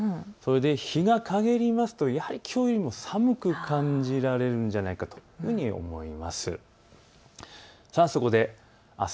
日がかげりますと、きょうよりも寒く感じられるんじゃないかというふうに思います。